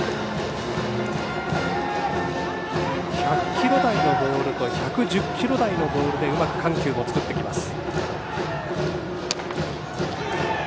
１００キロ台のボールと１１０キロ台のボールでうまく緩急を作ってきます。